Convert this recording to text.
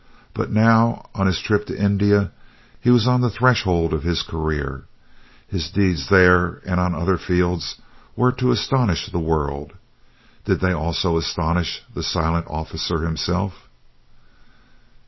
But now on his trip to India he was on the threshold of his career. His deeds there and on other fields were to astonish the world. Did they also astonish the silent officer himself?